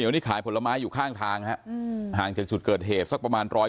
นี่ขายผลไม้อยู่ข้างทางฮะห่างจากจุดเกิดเหตุสักประมาณ๑๐๐